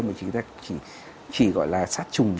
mà chỉ gọi là sát trùng